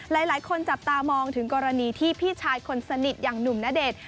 หลายคนจับตามองถึงกรณีที่พี่ชายคนสนิทอย่างหนุ่มณเดชน์